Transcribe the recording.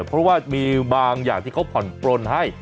เพราะว่ามีบางอย่างที่เขาผ่อนปลนให้